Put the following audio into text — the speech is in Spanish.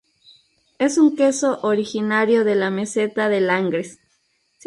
Es un queso originario de la meseta de Langres.